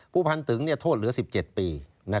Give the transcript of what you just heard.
ผู้พันตึงโทษเหลือ๑๗ปี